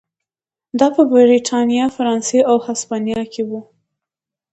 دا په برېټانیا، فرانسې او هسپانیا کې و.